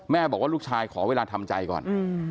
บอกว่าลูกชายขอเวลาทำใจก่อน